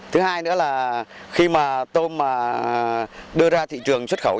thứ hai nữa là khi mà tôm mà đưa ra thị trường xuất khẩu